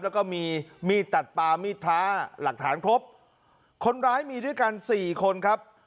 แล้วก็มีมีดตัดปามมีดพระหลักฐานครบคนร้ายมีด้วยกันสี่คนครับ